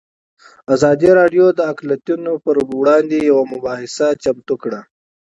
ازادي راډیو د اقلیتونه پر وړاندې یوه مباحثه چمتو کړې.